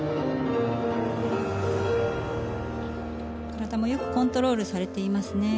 体もよくコントロールされていますね。